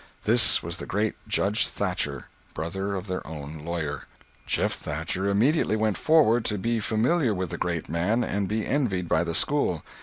This was the great Judge Thatcher, brother of their own lawyer. Jeff Thatcher immediately went forward, to be familiar with the great man and be envied by the school.